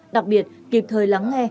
đặc biệt kịp thời lắng nghe